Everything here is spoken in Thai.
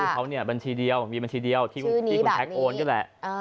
คือเขาเนี่ยบัญชีเดียวมีบัญชีเดียวที่คุณแท็กโอนด้วยแหละ